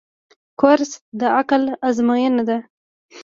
کورس د عقل آزموینه ده.